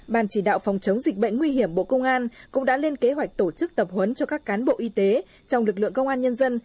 bàn chỉ đạo phòng chống dịch bệnh nguy hiểm bộ công an cũng đã lên kế hoạch tổ chức tập huấn cho các cán bộ y tế trong lực lượng công an nhân dân